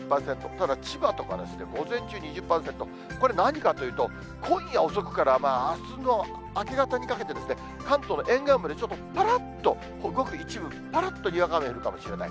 ただ、千葉とか、午前中２０％、これ、何かというと、今夜遅くからあすの明け方にかけて、関東の沿岸部でちょっとぱらっと、ごく一部、ぱらっとにわか雨が降るかもしれない。